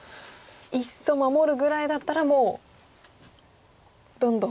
いっそ守るぐらいだったらもうどんどん。